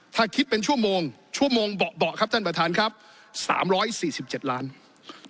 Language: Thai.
ถ้าคิดเป็นชั่วโมงชั่วโมงเบาะครับท่านประธานครับ๓๔๗ล้านบาท